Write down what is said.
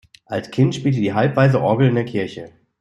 Als Kind spielte die Halbwaise Orgel in der Kirche.